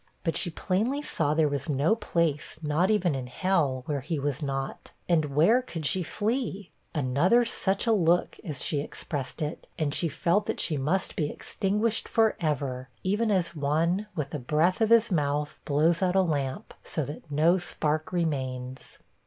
But she plainly saw there was no place, not even in hell, where he was not; and where could she flee? Another such 'a look,' as she expressed it, and she felt that she must be extinguished forever, even as one, with the breath of his mouth, 'blows out a lamp,' so that no spark remains.